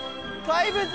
怪物？